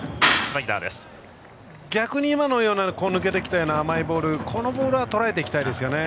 逆に、抜けてきたような甘いボールこのボールはとらえていきたいですよね。